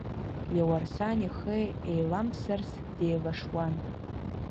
Леуарсан ихы еиламԥсарц деилашуан.